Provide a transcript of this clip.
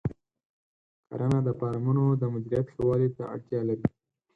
کرنه د فارمونو د مدیریت ښه والي ته اړتیا لري.